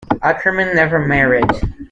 Ackermann never married.